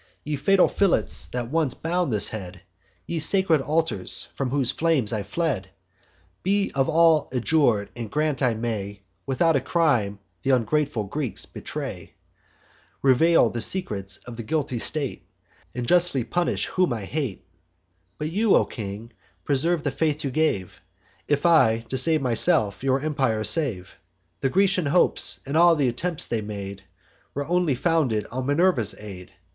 Ye fatal fillets, that once bound this head! Ye sacred altars, from whose flames I fled! Be all of you adjur'd; and grant I may, Without a crime, th' ungrateful Greeks betray, Reveal the secrets of the guilty state, And justly punish whom I justly hate! But you, O king, preserve the faith you gave, If I, to save myself, your empire save. The Grecian hopes, and all th' attempts they made, Were only founded on Minerva's aid.